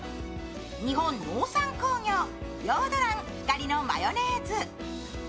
日本農産工業ヨード卵・光のマヨネーズ。